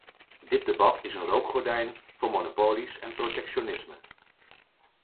Dit debat is een rookgordijn voor monopolies en protectionisme.